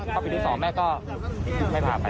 พอปีที่๒แม่ก็ไม่พาไป